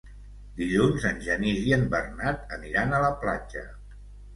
Dilluns en Genís i en Bernat aniran a la platja.